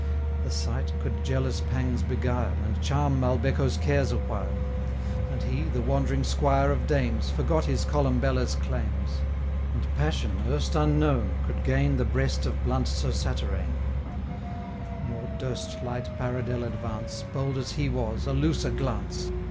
The sight could jealous pangs beguile, And charm Malbecco's cares a while; 80 And he, the wandering Squire of Dames, Forgot his Columbella's claims, And passion, erst unknown, could gain The breast of blunt Sir Satyrane; Nor durst light Paridel advance, 85 Bold as he was, a looser glance.